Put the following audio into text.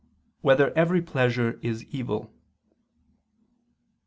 1] Whether Every Pleasure Is Evil?